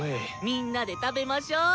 みんなで食べましょう。